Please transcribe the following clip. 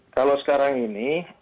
kalau sekarang ini